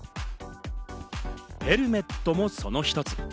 ヘルメットもその一つ。